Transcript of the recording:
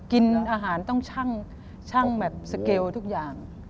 กินอาหารต้องชั่งแบบสเกลทุกอย่าง